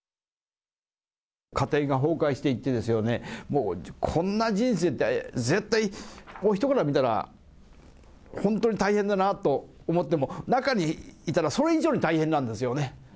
家庭が崩壊していってですよね、もうこんな人生って、絶対、人から見たら本当に大変だなと思っても、中にいたら、それ以上に大変なんですよね。